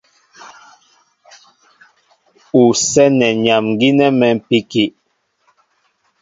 Ú sɛ́nɛ nyam gínɛ́ mɛ̌mpíki.